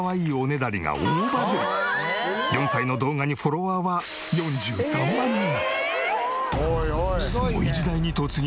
４歳の動画にフォロワーは４３万人！